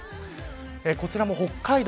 こちらも北海道